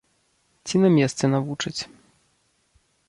Ці на месцы навучаць.